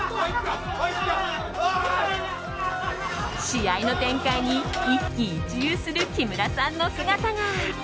試合の展開に一喜一憂する木村さんの姿が。